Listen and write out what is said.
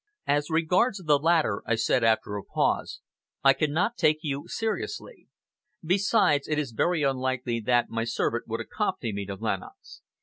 "As regards the latter," I said after a pause, "I can not take you seriously. Besides, it is very unlikely that my servant would accompany me to Lenox.